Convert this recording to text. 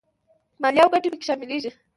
مالیه او ګټې په کې شاملېږي